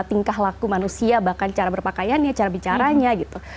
tingkah laku manusia bahkan cara berpakaiannya cara bicaranya gitu